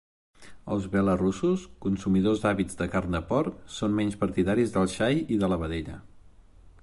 Els belarussos, consumidors àvids de carn de porc, són menys partidaris del xai i de la vedella.